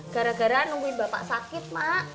gara gara nungguin bapak sakit mak